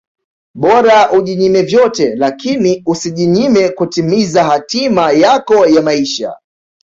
Bora ujinyime vyote lakini usijinyime kutimiza hatima yako ya maisha